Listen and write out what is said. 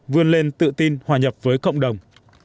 vươn lên tự tin hòa nhập với cộng đồng